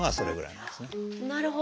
なるほど。